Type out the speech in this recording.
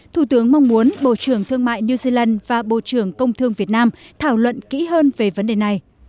thủ tướng mong muốn bộ trưởng thương mại new zealand và bộ trưởng công thương việt nam thảo luận kỹ hơn về vấn đề này